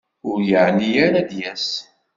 Ur yeɛni ara ad d-yas.